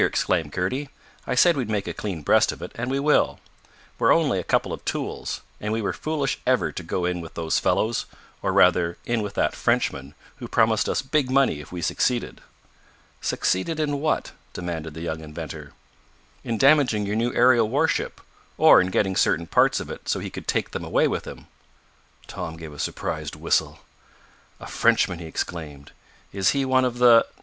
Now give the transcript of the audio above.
exclaimed Kurdy, "I said we'd make a clean breast of it, and we will. We're only a couple of tools, and we were foolish ever to go in with those fellows; or rather, in with that Frenchman, who promised us big money if we succeeded." "Succeeded in what?" demanded the young inventor. "In damaging your new aerial warship, or in getting certain parts of it so he could take them away with him." Tom gave a surprised whistle. "A frenchman!" he exclaimed. "Is he one of the